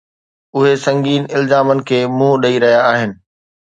اهي سنگين الزامن کي منهن ڏئي رهيا آهن.